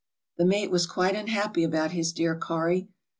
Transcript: "The mate was quite unhappy about his dear 'Kari.'